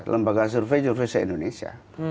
lembaga survei survei se indonesia